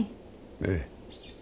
ええ。